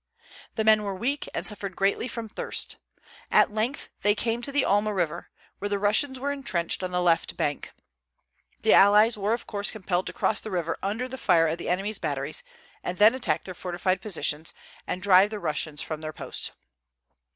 The men were weak, and suffered greatly from thirst. At length they came to the Alma River, where the Russians were intrenched on the left bank. The allies were of course compelled to cross the river under the fire of the enemies' batteries, and then attack their fortified positions, and drive the Russians from their post.